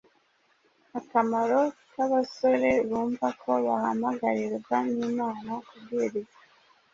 Akamaro k’abasore bumva ko bahamagarirwa n’Imana kubwiriza,